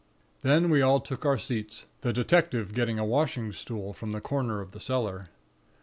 "Then we all took our seats, the detective getting a washing stool from the corner of the cellar.